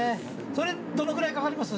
それどのくらいかかります？